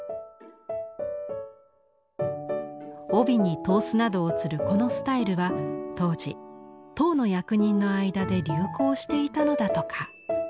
帯に刀子などをつるこのスタイルは当時唐の役人の間で流行していたのだとか。